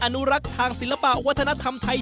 อนุรักษ์ทางศิลปะวัฒนธรรมไทย